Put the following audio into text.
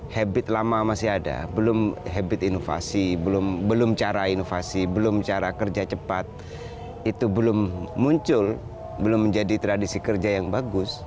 habit lama masih ada belum habit inovasi belum cara inovasi belum cara kerja cepat itu belum muncul belum menjadi tradisi kerja yang bagus